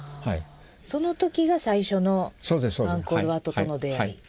その時が最初のアンコール・ワットとの出会い。